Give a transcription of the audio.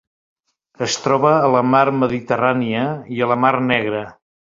Es troba a la Mar Mediterrània i a la Mar Negra.